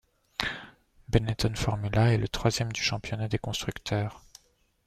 Benetton Formula est troisième du championnat des constructeurs.